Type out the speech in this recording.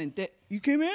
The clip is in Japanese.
イケメン？